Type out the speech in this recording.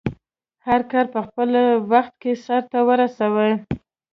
هرکار په خپل وخټ سرته ورسوی